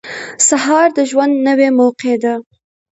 • سهار د ژوند نوې موقع ده.